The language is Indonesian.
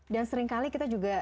dan seringkali kita juga